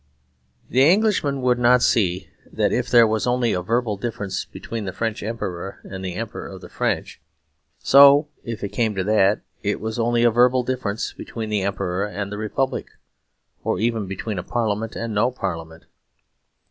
The Englishman would not see that if there was only a verbal difference between the French Emperor and the Emperor of the French, so, if it came to that, it was a verbal difference between the Emperor and the Republic, or even between a Parliament and no Parliament.